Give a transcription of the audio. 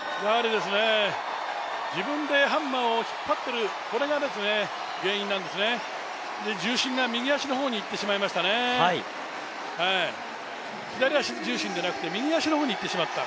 自分でハンマーを引っ張ってる、これが原因なんですね、重心が右足の方にいってしまいましたね、左足重心でなくて、右足の方にいってしまった。